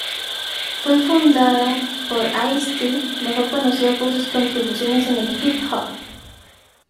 Fue fundada por Ice-T, mejor conocido por sus contribuciones en el "hip hop".